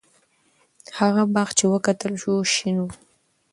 هغه باغ چې وکتل شو، شین و.